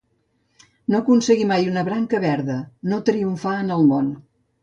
No aconseguir mai una branca verda; no triomfar en el món.